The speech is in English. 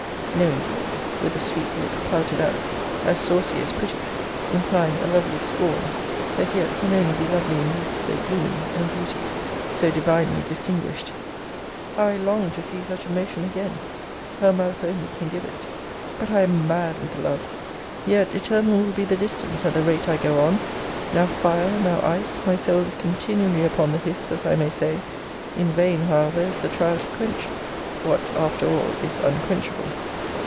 No, indeed! with a sweet lip pouted out, as saucy as pretty; implying a lovely scorn, that yet can only be lovely in youth so blooming, and beauty so divinely distinguished. How I long to see such a motion again! Her mouth only can give it. But I am mad with love yet eternal will be the distance, at the rate I go on: now fire, now ice, my soul is continually upon the hiss, as I may say. In vain, however, is the trial to quench what, after all, is unquenchable.